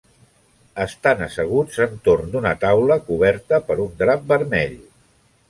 Estan asseguts entorn d'una taula coberta per un drap vermell.